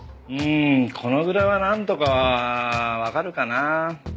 うーんこのぐらいはなんとかわかるかな？